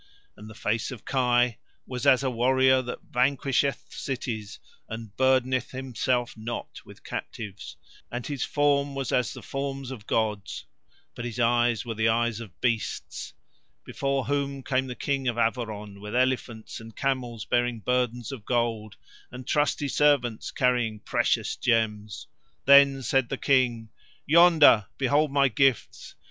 And the face of Kai was as a warrior that vanquisheth cities and burdeneth himself not with captives, and his form was as the forms of gods, but his eyes were the eyes of beasts; before whom came the King of Averon with elephants and camels bearing burdens of gold, and trusty servants carrying precious gems. Then said the King: "Yonder behold my gifts.